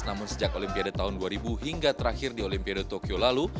namun sejak olimpiade tahun dua ribu hingga terakhir di olimpiade tokyo lalu